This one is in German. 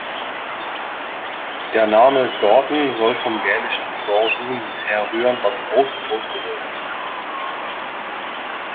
Der Name Gordon soll vom gälischen "Gor Dun" herrühren, was "große Burg" bedeutet.